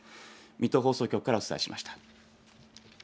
水戸放送局からお伝えしました。